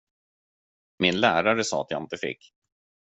Min lärare sa att jag inte fick.